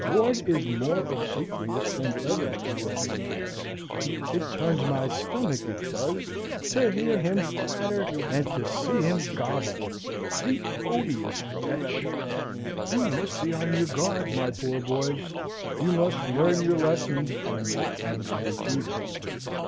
"Ward is more obsequious than ever to your mamma. It turns my stomach, it does, to hear him flatter, and to see him gobble the odious wretch! You must be on your guard, my poor boys you must learn your lessons, and not anger your tutor.